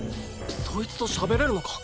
そいつとしゃべれるのか？